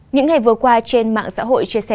những ngày vừa qua trên mạng xã hội chia sẻ